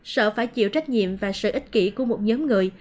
sợ phải chịu trách nhiệm và sự ích kỷ của một nhóm người